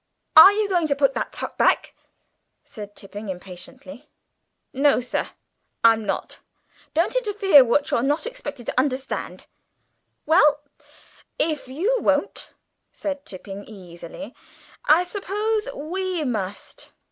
"Are you going to put that tuck back?" said Tipping impatiently. "No, sir, I'm not. Don't interfere with what you're not expected to understand!" "Well, if you won't," said Tipping easily, "I suppose we must.